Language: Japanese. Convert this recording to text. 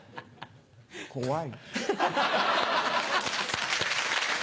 怖い。